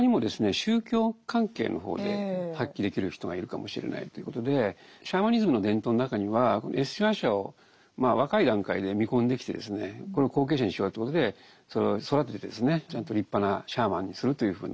宗教関係の方で発揮できる人がいるかもしれないということでシャーマニズムの伝統の中にはＳ親和者を若い段階で見込んできてこれを後継者にしようということで育ててですねちゃんと立派なシャーマンにするというふうな。